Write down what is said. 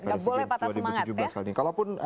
pada sea games dua ribu tujuh belas kali ini kalau pun